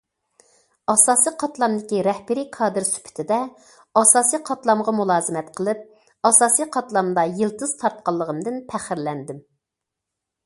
ئاساسىي قاتلامدىكى رەھبىرىي كادىر سۈپىتىدە، ئاساسىي قاتلامغا مۇلازىمەت قىلىپ، ئاساسىي قاتلامدا يىلتىز تارتقانلىقىمدىن پەخىرلەندىم.